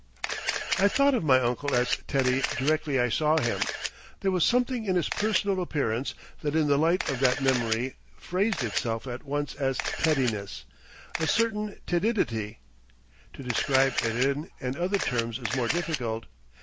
I thought of my uncle as Teddy directly I saw him; there was something in his personal appearance that in the light of that memory phrased itself at once as Teddiness—a certain Teddidity. To describe it in and other terms is more difficult.